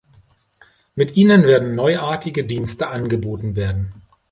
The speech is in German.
Mit ihnen werden neuartige Dienste angeboten werden.